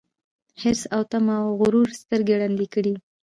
حرص او تمه او غرور سترګي ړندې کړي